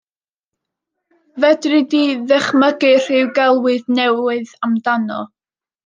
Fedri di ddychmygu rhyw gelwydd newydd amdano?